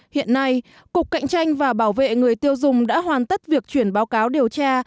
hiện nay cục cạnh tranh và bảo vệ người tiêu dùng đã hoàn tất việc chuyển báo cáo điều tra